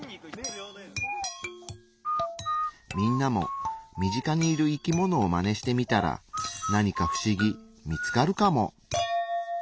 みんなも身近にいる生きものをマネしてみたら何か不思議見つかるかも。